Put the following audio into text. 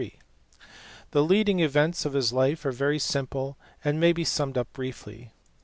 The leading events of his life are very simple and may be summed up briefly.